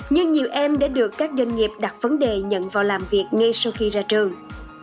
nhưng nhiều em đã được các doanh nghiệp đặt vấn đề nhận vào làm việc ngay sau khi ra trường